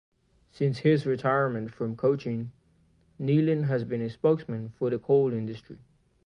Since his retirement from coaching, Nehlen has been a spokesman for the coal industry.